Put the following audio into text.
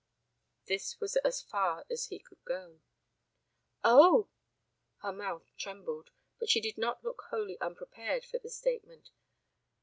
This was as far as he could go. "Oh!" Her mouth trembled, but she did not look wholly unprepared for the statement.